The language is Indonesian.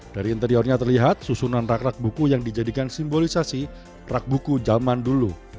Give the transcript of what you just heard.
dari interiornya terlihat susunan rak rak buku yang dijadikan simbolisasi rak buku zaman dulu